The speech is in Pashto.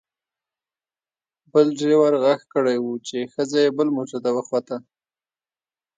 بل ډریور غږ کړی و چې ښځه یې بل موټر ته وخوته.